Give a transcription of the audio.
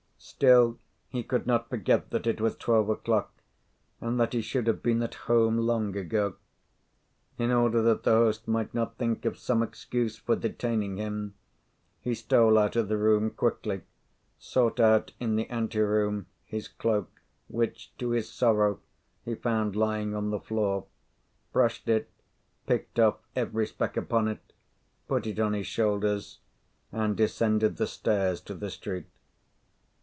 Still, he could not forget that it was twelve o'clock, and that he should have been at home long ago. In order that the host might not think of some excuse for detaining him, he stole out of the room quickly, sought out, in the ante room, his cloak, which, to his sorrow, he found lying on the floor, brushed it, picked off every speck upon it, put it on his shoulders, and descended the stairs to the street.